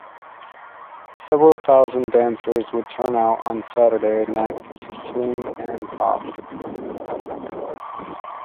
Several thousand dancers would turn out on Saturday night to swing and hop.